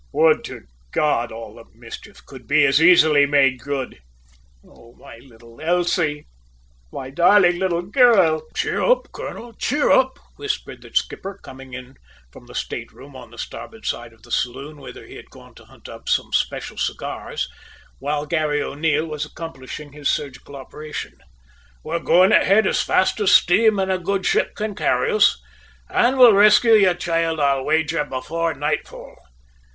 "Would to God all the mischief could be as easily made good! Oh, my little Elsie, my darling little girl!" "Cheer up, colonel, cheer up," whispered the skipper, coming in from the state room on the starboard side of the saloon, whither he had gone to hunt up some special cigars while Garry O'Neil was accomplishing his surgical operation. "We're going ahead as fast as steam and a good ship can carry us, and we'll rescue your child, I'll wager, before nightfall.